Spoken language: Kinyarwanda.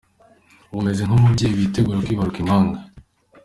Ubu meze nk'umubyeyi witegura kwibaruka impanga.